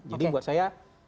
jadi buat saya